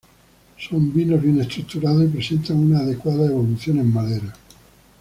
Son vinos bien estructurados y presentan una adecuada evolución en madera.